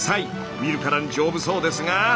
見るからに丈夫そうですが。